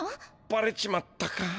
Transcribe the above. バレちまったか。